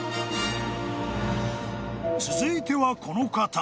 ［続いてはこの方］